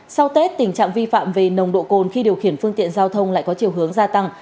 sau tết tình trạng vi phạm về nồng độ cồn khi điều khiển phương tiện giao thông lại có chiều hướng gia tăng